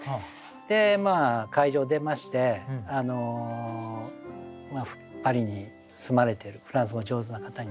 で会場出ましてパリに住まれてるフランス語上手な方にですね